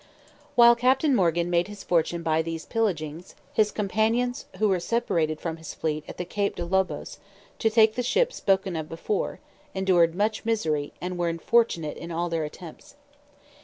While Captain Morgan made his fortune by these pillagings, his companions, who were separated from his fleet at the Cape de Lobos, to take the ship spoken of before, endured much misery, and were unfortunate in all their attempts.